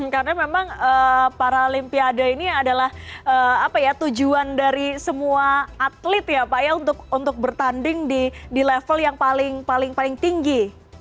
karena memang paralimpiade ini adalah tujuan dari semua atlet ya pak el untuk bertanding di level yang paling tinggi